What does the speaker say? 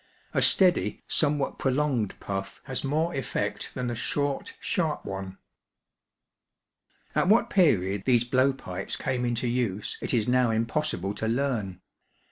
A steady, somewhat prolonged puff has more effect than a short, sharp one. At what period these blow pipes came into use it is now BLOWPIPE WEAPONS. 537 impossible to learn.